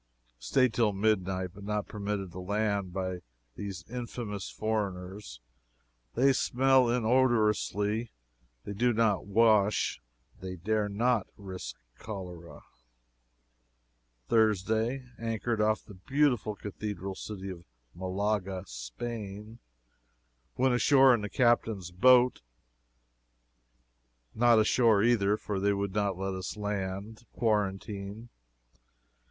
Staid till midnight, but not permitted to land by these infamous foreigners. They smell inodorously they do not wash they dare not risk cholera. "Thursday Anchored off the beautiful cathedral city of Malaga, Spain. Went ashore in the captain's boat not ashore, either, for they would not let us land. Quarantine.